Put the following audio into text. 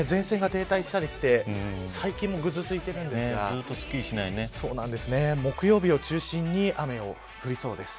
ちょっと前線が停滞したりして最近もぐずついてるんですが木曜日を中心に雨が降りそうです。